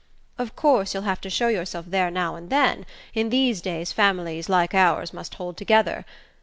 Of course you'll have to show yourself there now and then: in these days families like ours must hold together.